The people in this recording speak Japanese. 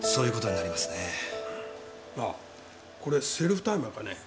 なあこれセルフタイマーかね？